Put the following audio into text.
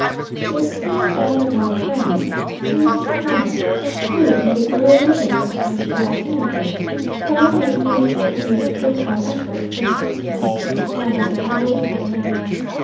The experience of one of my friends, a Mrs. Turner, who, in the earlier days of her sad widowhood, found it needful to make personal effort for the sustenance of her family, I will here relate.